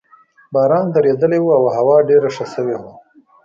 باران درېدلی وو او هوا ډېره ښه شوې وه.